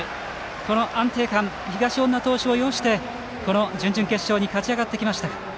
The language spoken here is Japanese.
この安定感、東恩納投手を擁してこの準々決勝に勝ち上がってきました。